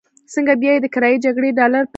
ځکه بيا یې د کرايي جګړې ډالر پارچاوېږي.